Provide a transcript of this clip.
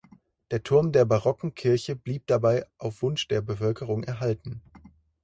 Der Turm der barocken Kirche blieb dabei auf Wunsch der Bevölkerung erhalten.